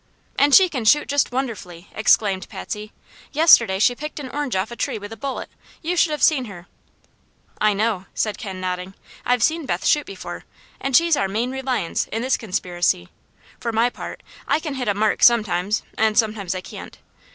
"And she can shoot just wonderfully!" exclaimed Patsy. "Yesterday she picked an orange off a tree with a bullet. You should have seen her." "I know," said Ken, nodding. "I've seen Beth shoot before, and she's our main reliance in this conspiracy. For my part, I can hit a mark sometimes, and sometimes I can't.